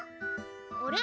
あれ？